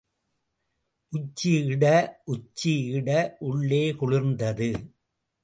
உச்சி இட உச்சி இட உள்ளே குளிர்ந்தது.